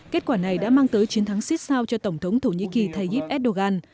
kết quả này đã mang tới chiến thắng xích sao cho tổng thống thổ nhĩ kỳ taif erdogan